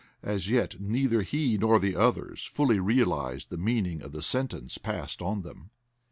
As yet neither he nor the others fully realized the meaning of the sentence passed on them.